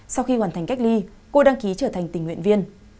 sau khi hoàn thành cách ly cô đăng ký trở thành tình nguyện viên